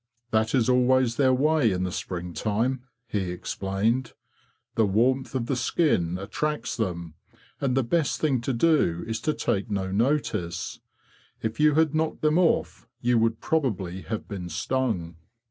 'That is always their way in the spring time,"' he explained. '' The warmth of the skin attracts them, and the best thing to do is to take no notice. If you had knocked them off you would probably have been stung."